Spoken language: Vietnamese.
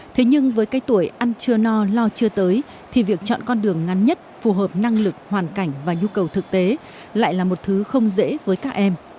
thế nhưng với cái tuổi ăn chưa no lo chưa tới thì việc chọn con đường ngắn nhất phù hợp năng lực hoàn cảnh và nhu cầu thực tế lại là một thứ không dễ với các em